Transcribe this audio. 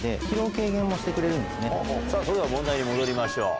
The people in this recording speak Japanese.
さぁそれでは問題に戻りましょう。